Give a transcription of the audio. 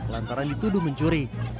lantaran dituduh mencuri